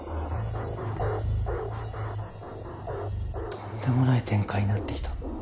とんでもない展開になってきた。